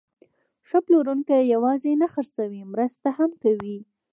ښه پلورونکی یوازې نه خرڅوي، مرسته هم کوي.